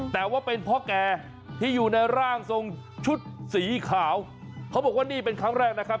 แต่ว่าเป็นพ่อแก่ที่อยู่ในร่างทรงชุดสีขาวเขาบอกว่านี่เป็นครั้งแรกนะครับ